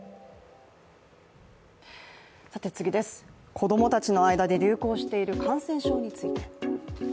子供たちの間で流行している感染症について。